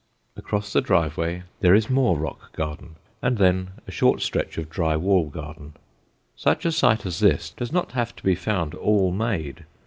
Across the driveway there is more rock garden and then a short stretch of dry wall garden. Such a site as this does not have to be found all made.